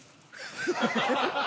ハハハハ！